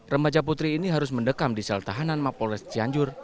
remaja putri ini harus mendekam di sel tahanan mapolres cianjur